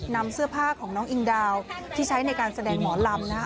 นำเสื้อผ้าของน้องอิงดาวที่ใช้ในการแสดงหมอลำนะคะ